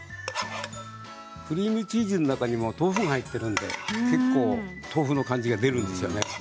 クリームチーズの中にも豆腐が入っているので豆腐の感じが結構出るんですよね。